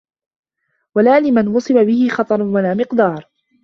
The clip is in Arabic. وَلَا لِمَنْ وُصِمَ بِهِ خَطَرٌ وَلَا مِقْدَارٌ